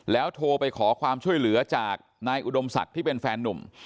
โทรไปขอความช่วยเหลือจากนายอุดมศักดิ์ที่เป็นแฟนนุ่ม